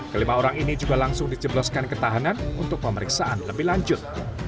kelima orang ini juga langsung dijebloskan ketahanan untuk pemeriksaan lebih lanjut